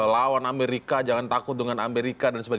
lawan amerika jangan takut dengan amerika